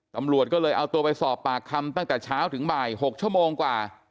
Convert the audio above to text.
ตำรวจก็เลยเอาตัวไปสอบปากคำตั้งแต่เช้าถึงบ่าย๖ชั่วโมงกว่า